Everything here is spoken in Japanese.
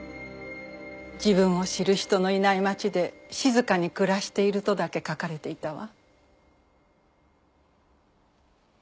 「自分を知る人のいない町で静かに暮らしている」とだけ書かれていたわ。